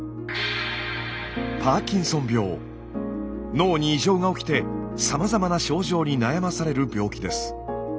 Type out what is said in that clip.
脳に異常が起きてさまざまな症状に悩まされる病気です。